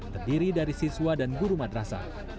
terdiri dari siswa dan guru madrasah